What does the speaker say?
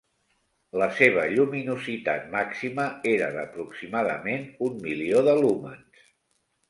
La seva lluminositat màxima era d'aproximadament un milió de lúmens.